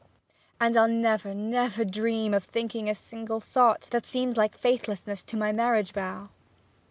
'And I'll never, never dream of thinking a single thought that seems like faithlessness to my marriage vow.'